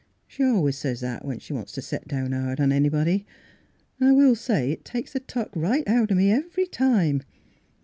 She always says that when she wants to set down hard on anybody. An' I will say it takes the tuck right out o' me every time.